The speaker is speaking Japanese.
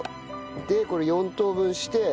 でこれ４等分して。